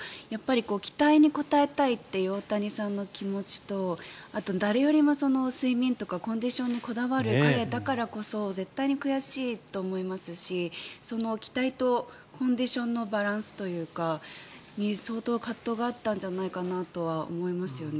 期待に応えたいという大谷さんの気持ちとあと誰よりも睡眠とかコンディションにこだわる彼だからこそ絶対に悔しいと思いますし期待とコンディションのバランスに相当葛藤があったんじゃないかと思いますよね。